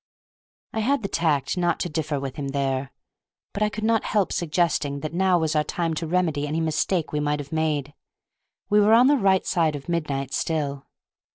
I had the tact not to differ with him there. But I could not help suggesting that now was our time to remedy any mistake we might have made. We were on the right side of midnight still.